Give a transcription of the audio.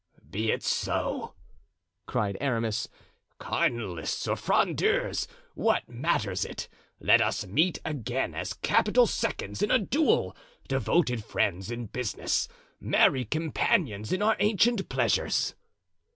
"Be it so," cried Aramis. "Cardinalists or Frondeurs, what matters it? Let us meet again as capital seconds in a duel, devoted friends in business, merry companions in our ancient pleasures."